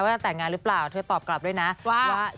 จะแต่งงานหรือเปล่าเธอตอบกลับด้วยนะว่า